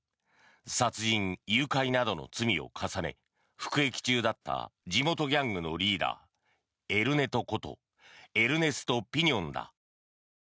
殺人、誘拐などの罪を重ね服役中だった地元ギャングのリーダーエル・ネトことエルネスト・ピニョンだ。